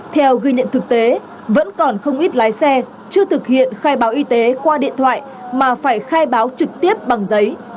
theo ghi nhận thực tế vẫn còn không ít lái xe chưa thực hiện khai báo y tế qua điện thoại mà phải khai báo trực tiếp bằng giấy